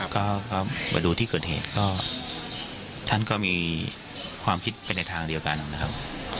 ก็มาดูที่เกิดเหตุก็ท่านก็มีความคิดไปในทางเดียวกันนะครับ